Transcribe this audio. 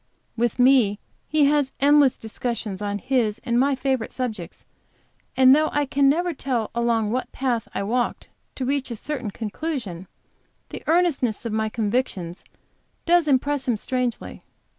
With me he has endless discussions on his and my favorite subjects, and though I can never tell along what path I walked to reach a certain conclusion, the earnestness of my convictions does impress him strangely.